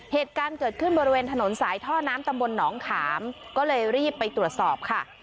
เหตุการณ์เกิดขึ้นบริเวณถนนสายท่อน้ำตำบลหนองขามก็เลยรีบไปตรวจสอบค่ะ